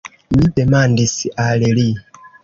Mi demandis al li.